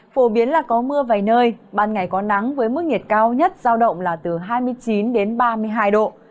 phổ biến là có mưa vài nơi ban ngày có nắng với mức nhiệt cao nhất giao động là từ hai mươi chín đến ba mươi hai độ